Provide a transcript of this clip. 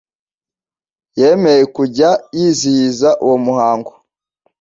Yemeye kujya yizihiza uwo muhango